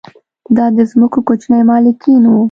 دا د ځمکو کوچني مالکین وو